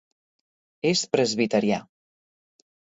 És presbiterià.